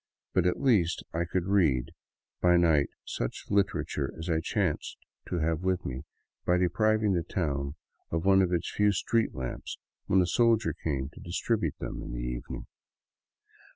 But at least I could read by night such literature as I chanced to have with me — by depriving the town of one of its few street lamps when a soldier came to distribute them in the evening.